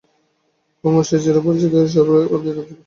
কুমুর সেই চিরপরিচিত এসরাজ, হাতির দাঁতে খচিত।